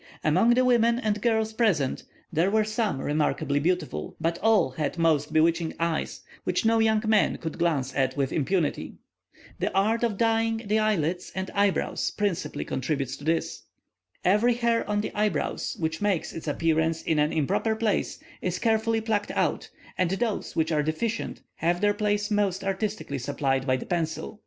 Among the women and girls present, there were some remarkably beautiful, but all had most bewitching eyes, which no young man could glance at with impunity. The art of dyeing the eyelids and eyebrows principally contributes to this. Every hair on the eyebrows which makes its appearance in an improper place, is carefully plucked out, and those which are deficient have their place most artistically supplied by the pencil.